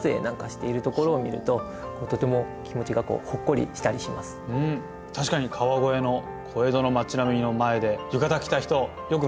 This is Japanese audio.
観光客の方でうん確かに川越の小江戸のまち並みの前で浴衣着た人よく見ますね。